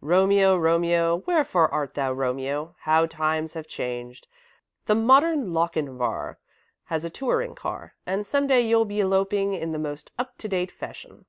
"'Romeo Romeo, wherefore art thou Romeo?' How times have changed! The modern Lochinvar has a touring car, and some day you'll be eloping in the most up to date fashion."